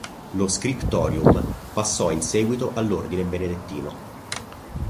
Lo "scriptorium" passò in seguito all'ordine benedettino.